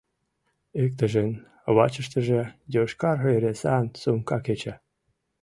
Иктыжын вачыштыже йошкар ыресан сумка кеча.